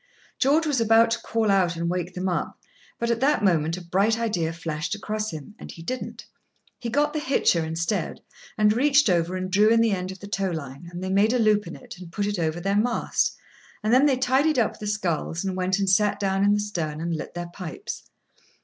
George was about to call out and wake them up, but, at that moment, a bright idea flashed across him, and he didn't. He got the hitcher instead, and reached over, and drew in the end of the tow line; and they made a loop in it, and put it over their mast, and then they tidied up the sculls, and went and sat down in the stern, and lit their pipes.